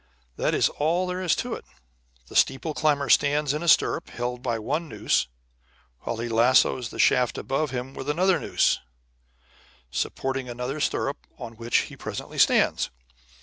That is all there is to it. The steeple climber stands in a stirrup held by one noose while he lassoes the shaft above him with another noose, supporting another stirrup on which he presently stands.